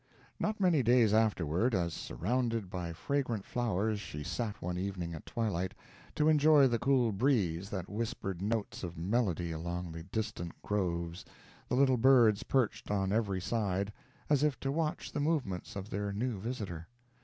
Not many days afterward, as surrounded by fragrant flowers she sat one evening at twilight, to enjoy the cool breeze that whispered notes of melody along the distant groves, the little birds perched on every side, as if to watch the movements of their new visitor.